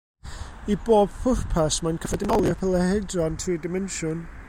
I bob pwrpas, mae'n cyffredinoli'r polyhedron tri dimensiwn.